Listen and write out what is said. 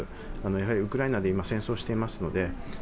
やはりウクライナで今、戦争していますので。